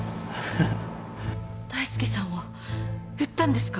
大介さんを売ったんですか？